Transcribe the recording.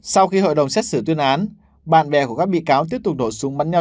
sau khi hội đồng xét xử tuyên án bạn bè của các bị cáo tiếp tục nổ súng bắn nhau